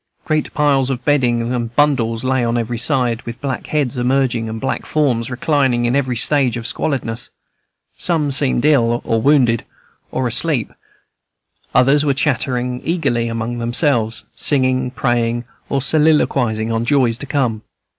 Great piles of bedding and bundles lay on every side, with black heads emerging and black forms reclining in every stage of squalidness. Some seemed ill, or wounded, or asleep, others were chattering eagerly among themselves, singing, praying, or soliloquizing on joys to come.